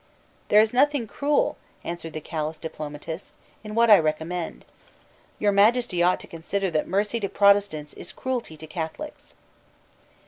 "There is nothing cruel," answered the callous diplomatist, "in what I recommend. Your Majesty ought to consider that mercy to Protestants is cruelty to Catholics."